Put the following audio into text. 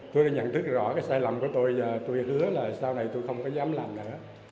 tôi đã nhận thức rõ cái sai lầm của tôi và tôi hứa là sau này tôi không có dám làm nữa